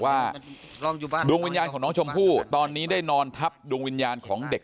ว่าดวงวิญญาณของน้องชมพู่ตอนนี้ได้นอนทับดวงวิญญาณของเด็ก